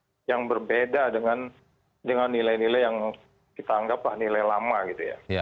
ada yang berbeda dengan nilai nilai yang kita anggaplah nilai lama gitu ya